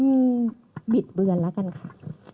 อืมบิดเบือนแล้วกันค่ะ